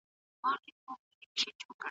د وزیرانو مسؤلیت کله ډیریږي؟